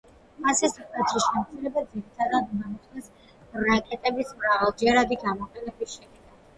ფასის მკვეთრი შემცირება ძირითადად უნდა მოხდეს რაკეტების მრავალჯერადი გამოყენების შედეგად.